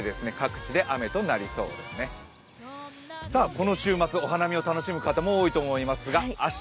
この週末、お花見を楽しむ方も多いと思いますが明日